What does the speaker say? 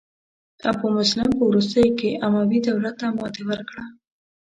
ابو مسلم په وروستیو کې اموي دولت ته ماتې ورکړه.